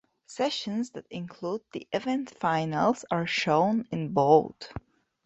Sessions that include the event finals are shown in bold.